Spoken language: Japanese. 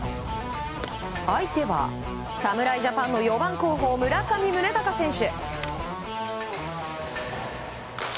相手は侍ジャパンの４番候補村上宗隆選手。